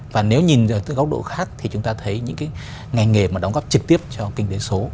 và nếu nhìn từ góc độ khác thì chúng ta thấy những nghề nghề mà đóng góp trực tiếp cho kinh tế số